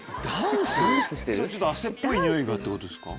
汗っぽいにおいがってことですか？